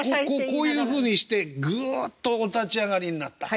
こういうふうにしてぐっとお立ち上がりになった。